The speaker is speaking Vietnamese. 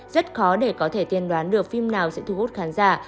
rất khó để có thể tiên đoán được phim nào sẽ thu hút khán giả